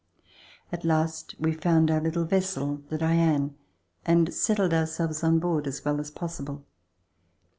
At last we found our little vessel the "Diane" and settled ourselves on board as well as possible.